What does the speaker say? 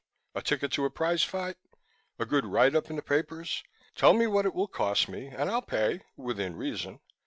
A ticket to a prize fight? A good write up in the papers? Tell me what it will cost me and I'll pay within reason.